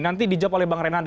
nanti dijawab oleh bang renanda